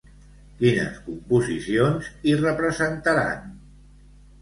Quines composicions hi representaran?